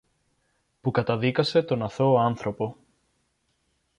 που καταδίκασε τον αθώο άνθρωπο.